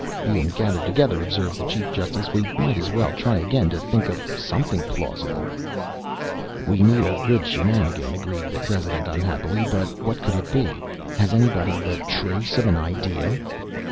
"Bein' gathered together," observed the chief justice, "we might as well try again to think of somethin' plausible." "We need a good shenanigan," agreed the president unhappily. "But what could it be? Has anybody the trace of an idea?"